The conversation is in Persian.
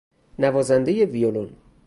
نوازنده ویولن